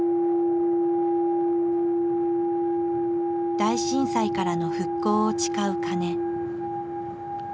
大震災からの復興を誓う鐘。